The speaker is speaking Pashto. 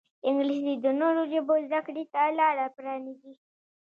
انګلیسي د نورو ژبو زده کړې ته لاره پرانیزي